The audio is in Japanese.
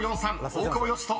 ［大久保嘉人